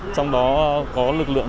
trong đó có lực lượng